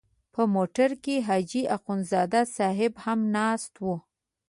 په موټر کې حاجي اخندزاده صاحب هم ناست و.